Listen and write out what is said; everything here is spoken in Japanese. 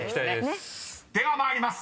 ［では参ります。